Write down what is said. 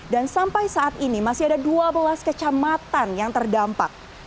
dan sampai saat ini masih ada dua belas kecamatan yang terdampak